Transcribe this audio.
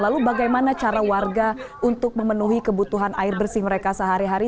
lalu bagaimana cara warga untuk memenuhi kebutuhan air bersih mereka sehari hari